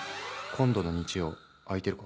「今度の日曜空いてるか？」。